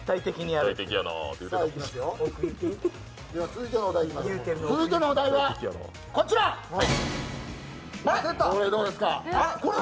続いてのお題はこれ！